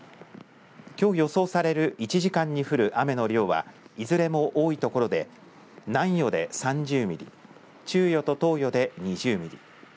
きょう予想される１時間に降る雨の量はいずれも多い所で南予で３０ミリ、中予と東予で２０ミリ。